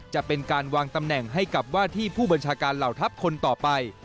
จะเป็นการวางตำแหน่งให้กับว่าที่ผู้บัญชาการเหล่าทัพคนต่อไป